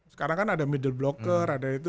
sekarang kan ada middle blocker ada itu